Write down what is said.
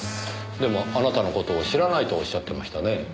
でもあなたの事を知らないとおっしゃってましたねぇ。